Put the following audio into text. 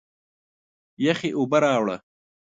یخي اوبه راړه!